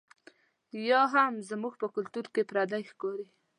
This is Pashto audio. یا هم زموږ په کلتور کې پردۍ ښکاري.